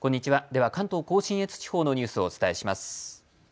では関東甲信越地方のニュースをお伝えします。